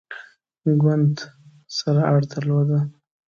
ګوند سره اړه درلوده.